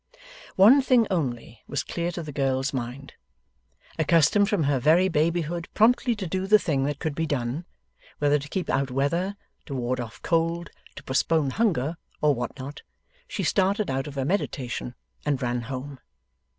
One thing only, was clear to the girl's mind. Accustomed from her very babyhood promptly to do the thing that could be done whether to keep out weather, to ward off cold, to postpone hunger, or what not she started out of her meditation, and ran home.